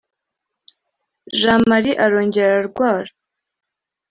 Jean Marie arongera ararwara